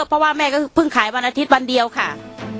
เพราะว่าแม่ก็เพิ่งขายวันอาทิตย์วันเดียวค่ะ